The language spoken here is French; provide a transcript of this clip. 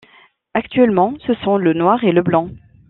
Actuellement, ce sont le noir et blanc.